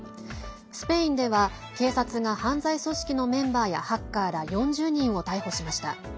スペインでは、警察が犯罪組織のメンバーやハッカーら４０人を逮捕しました。